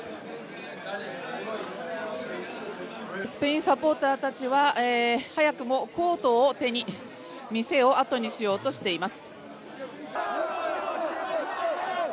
スペインサポーターたちは早くもコートを手に店をあとにしようとしています。